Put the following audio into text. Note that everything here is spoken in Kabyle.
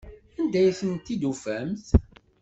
Anda ay t-id-tufamt?